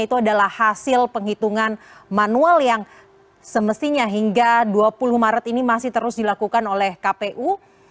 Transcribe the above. itu adalah hasil penghitungan manual yang semestinya hingga dua puluh maret ini masih terus dilakukan oleh kpu